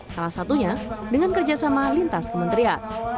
salah satunya dengan kerjasama lintas kementerian